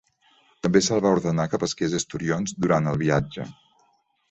També se'l va ordenar que pesqués esturions durant el viatge.